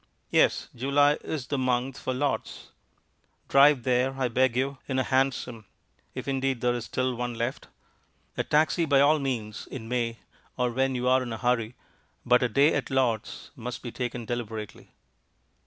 Yes; July is the month for Lord's. Drive there, I beg you, in a hansom, if indeed there is still one left. A taxi by all means in May or when you are in a hurry, but a day at Lord's must be taken deliberately.